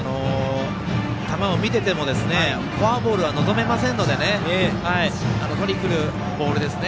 球を見ててもフォアボールは望めませんのでとりにくるボールですね。